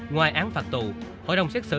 ngoài án phạt tù hội đồng xét xử